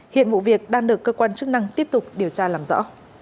hiện vụ việc đang được cơ quan chức năng tiếp tục điều tra làm rõ